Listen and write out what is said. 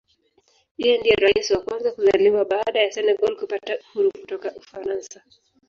Yeye ndiye Rais wa kwanza kuzaliwa baada ya Senegal kupata uhuru kutoka Ufaransa.